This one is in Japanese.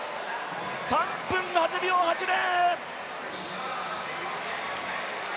３分８秒８０。